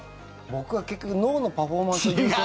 僕は結局脳のパフォーマンスを優先。